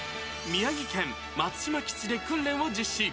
宮城県松島基地で訓練を実施。